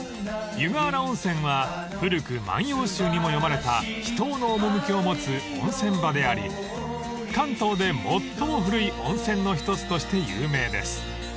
［湯河原温泉は古く『万葉集』にも詠まれた秘湯の趣を持つ温泉場であり関東で最も古い温泉の一つとして有名です］